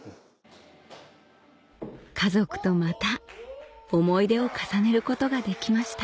家族とまた思い出を重ねることができました